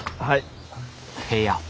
はい。